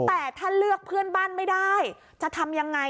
แต่ถ้าเลือกเพื่อนบ้านไม่ได้จะทำยังไง